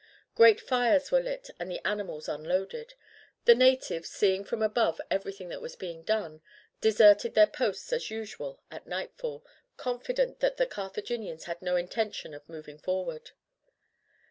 Great fires were lit and the animals unloaded. The natives, seeing from above everything that was being done, deserted their posts as usual at nightfall, confident that the Carthaginians had no intention of moving forward.